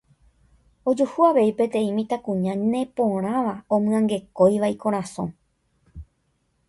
Ojuhu avei peteĩ mitãkuña neporãva omyangekóiva ikorasõ.